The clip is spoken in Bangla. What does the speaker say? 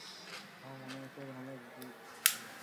আমার মনে হয় স্যার, হলের সিট ভরে যাবে।